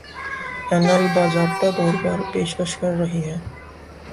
اینایل باضابطہ طور پر پیشکش کر رہی ہے